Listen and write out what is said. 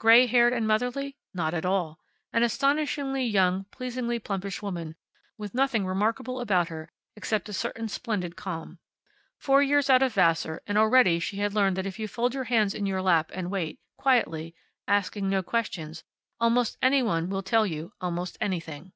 Gray haired and motherly? Not at all. An astonishingly young, pleasingly plumpish woman, with nothing remarkable about her except a certain splendid calm. Four years out of Vassar, and already she had learned that if you fold your hands in your lap and wait, quietly, asking no questions, almost any one will tell you almost anything.